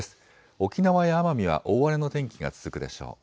沖縄や奄美は大荒れの天気が続くでしょう。